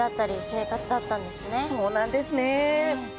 そうなんですね。